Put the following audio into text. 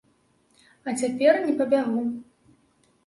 А цяпер не пабягу.